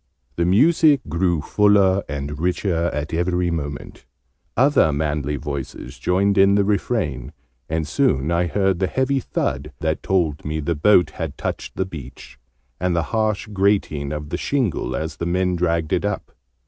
The music grew fuller and richer at every moment: other manly voices joined in the refrain: and soon I heard the heavy thud that told me the boat had touched the beach, and the harsh grating of the shingle as the men dragged it up.